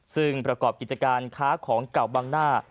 ซึ่งประกอบกิจการค้าของกรรมเบาะบังนา